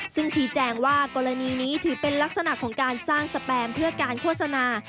ซึ่งชี้แจงว่ากรณีนี้ถือเป็นลักษณะของการสร้างสแปมเพื่อการโฆษณา